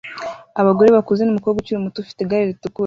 Abagore bakuze numukobwa ukiri muto ufite igare ritukura